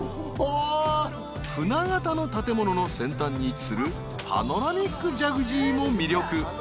［船型の建物の先端に位置するパノラミック・ジャグジーも魅力］